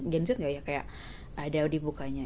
genset gak ya kayak ada dibukanya